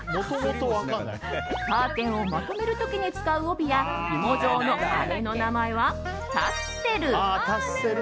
カーテンをまとめる時に使う帯やひも状のあれの名前はタッセル。